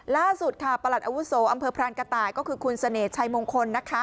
ล่าสุดค่ะประหลัดอาวุโสอำเภอพรานกระต่ายก็คือคุณเสน่ห์ชัยมงคลนะคะ